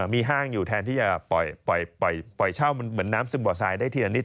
มีห้างอยู่แทนที่จะปล่อยเช่าเหมือนน้ำซึมบ่อทรายได้ทีละนิด